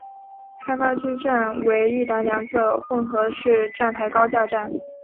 开发区站为一岛两侧混合式站台高架站。